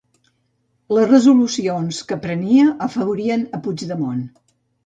Les resolucions que prenia afavorien a Puigdemont